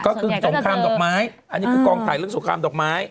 ก็คือสงครามดอกไม้อันนี้คือกองถ่ายเรื่องสงครามดอกไม้